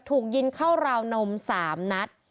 ถูกยิงเข้าราวนม๓นัด